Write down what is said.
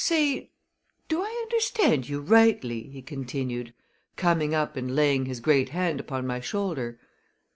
"Say, do I understand you rightly?" he continued, coming up and laying his great hand upon my shoulder.